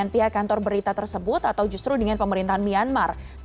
pihak kantor berita tersebut atau justru dengan pemerintahan myanmar